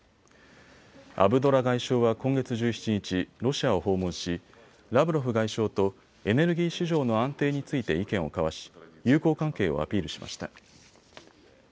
アブドラ外相は今月１７日、ロシアを訪問しラブロフ外相とエネルギー市場の安定について意見を交わし友好関係をアピールしました。